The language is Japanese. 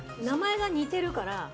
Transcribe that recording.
名前が似てるから。